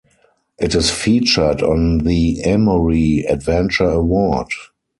It is featured on the Amory Adventure Award.